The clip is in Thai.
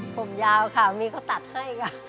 ผมยาวค่ะมีคนตัดให้กับ